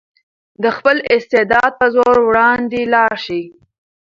د خپل استعداد په زور وړاندې لاړ شئ.